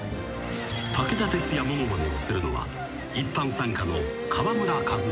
［武田鉄矢ものまねをするのは一般参加の］